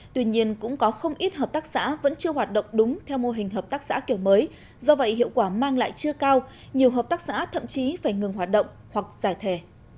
tuy nhiên cũng có không ít hợp tác xã vẫn chưa hoạt động đúng theo mô hình hợp tác xã kiểu mới do vậy hiệu quả mang lại chưa cao nhiều hợp tác xã thậm chí phải ngừng hoạt động hoặc giải thề